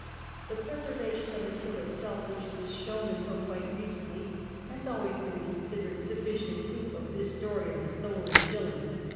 The preservation of the till itself, which was shown until quite recently, has always been considered sufficient proof of this story of the stolen shilling.